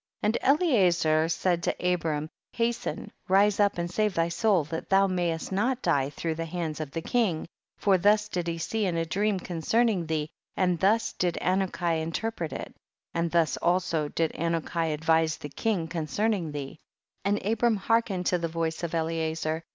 60. And Eliezer said to Abram, hasten, rise up and save thy soul, that thou mayest not die through the hands of the king, for thus did he see in a dream concerning thee, and thus did Anuki interpret it, and thus also did Anuki advise the king con cerning thee. 61. And Abram hearkened to the voice of Eliezer.